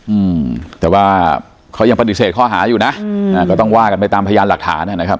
อืมแต่ว่าเขายังปฏิเสธข้อหาอยู่นะอืมอ่าก็ต้องว่ากันไปตามพยานหลักฐานอ่ะนะครับ